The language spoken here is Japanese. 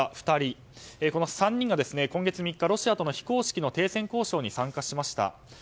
２人の３人が今月３日ロシアとの非公式の停戦交渉に参加しました。